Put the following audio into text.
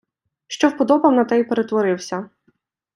Що вподобав, на те й перетворився.